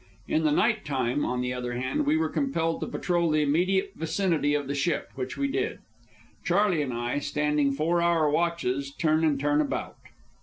In the night time, on the other hand, we were compelled to patrol the immediate vicinity of the ship; which we did, Charley and I standing four hour watches turn and turn about.